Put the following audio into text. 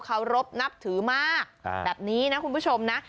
เขารบนับถือมากแบบนี้นะคุณผู้ชมนะ